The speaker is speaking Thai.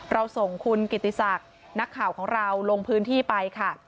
เราส่งคุณกิติศักดิ์นักข่าวของเราลงพื้นที่ไปค่ะ